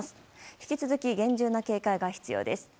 引き続き厳重な警戒が必要です。